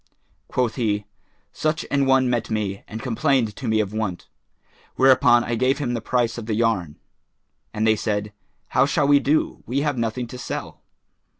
Quoth he, "Such an one met me and complained to me of want; whereupon I gave him the price of the yarn." And they said, "How shall we do? We have nothing to sell."